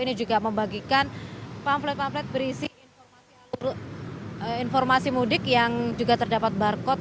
ini juga membagikan pamflet pamplet berisi informasi mudik yang juga terdapat barcode